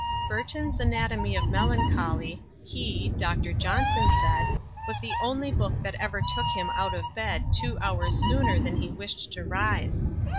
BURTON'S ANATOMY OF MELANCHOLY, he (Dr. Johnson) said, was the only book that ever took him out of bed two hours sooner than he wished to rise.